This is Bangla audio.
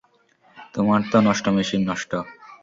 তোমারতো নষ্ট মেশিন, নষ্ট।